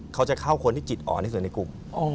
เขาจะเข้าคนที่จิตอ่อนที่สุดในกลุ่ม